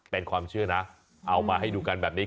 เป็นความเชื่อนะเอามาให้ดูกันแบบนี้